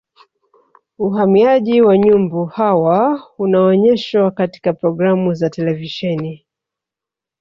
uhamiaji wa nyumbu hawa unaonyeshwa katika programu za televisheni